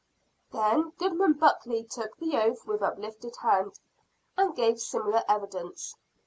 Then Goodman Buckley took the oath with uplifted hand, and gave similar evidence.